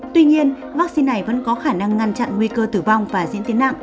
tuy nhiên vaccine này vẫn có khả năng ngăn chặn nguy cơ tử vong và diễn tiến nặng